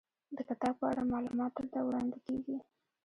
د کتاب په اړه معلومات دلته وړاندې کیږي.